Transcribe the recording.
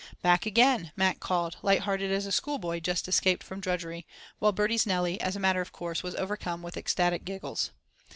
"Back again!" Mac called, light hearted as a schoolboy just escaped from drudgery, while Bertie's Nellie, as a matter of course, was overcome with ecstatic giggles.